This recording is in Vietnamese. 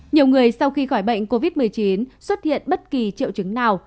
nhiều người sau khi khỏi bệnh covid một mươi chín xuất hiện bất kỳ triệu chứng nào